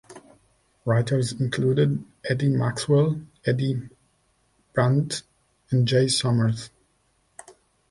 Writers included Eddie Maxwell, Eddie Brandt and Jay Sommers.